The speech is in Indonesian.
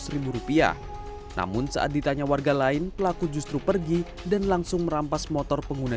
seribu rupiah namun saat ditanya warga lain pelaku justru pergi dan langsung merampas motor pengguna